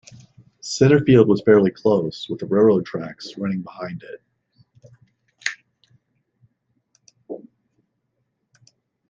Center field was fairly close, with the railroad tracks running behind it.